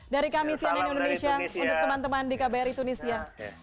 dari kami cnn indonesia untuk teman teman di kbri tunisia